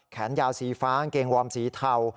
แขนยาวสีฟ้ากางเกงวอร์มสีเทา